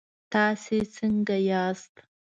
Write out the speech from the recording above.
تاسو څنګه یئ؟